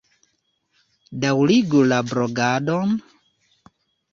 Daŭrigu la blogadon!